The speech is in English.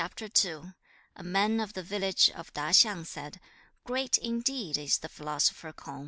CHAP. II. 1. A man of the village of Ta hsiang said, 'Great indeed is the philosopher K'ung!